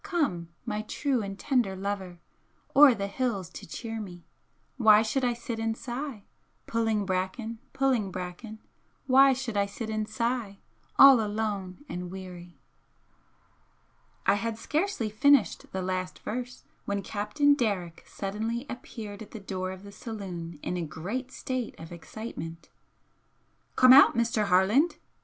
Come, my true and tender lover, O'er the hills to cheer me! Why should I sit and sigh, Pu'in' bracken, pu'in' bracken, Why should I sit and sigh, All alone and weary!" I had scarcely finished the last verse when Captain Derrick suddenly appeared at the door of the saloon in a great state of excitement. "Come out, Mr. Harland!"